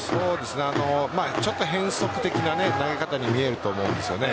ちょっと変則的な投げ方に見えると思うんですよね。